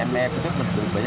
mf itu banyak pendekatan biaya